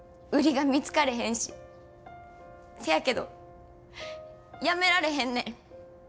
せやけどやめられへんねん。